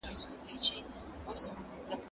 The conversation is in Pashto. په اړه ساده خورا ارزښتناک معلومات وړاندي کړل .